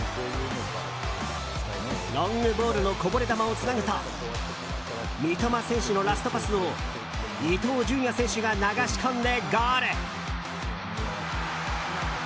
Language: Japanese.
ロングボールのこぼれ球をつなぐと三笘選手のラストパスを伊東純也選手が流し込んでゴール。